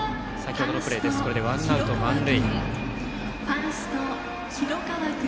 これでワンアウト満塁。